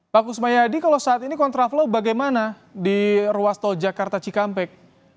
pak kusmayadi kalau saat ini kontraplo bagaimana di ruas tojakarta cikampek